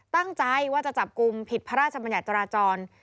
ตั้งใจว่าจะจับกลุ่มผิดพระราชบัญญัติจราจร